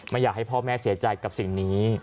อยากให้พ่อแม่เสียใจกับสิ่งนี้